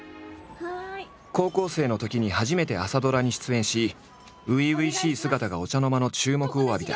高校生のときに初めて朝ドラに出演し初々しい姿がお茶の間の注目を浴びた。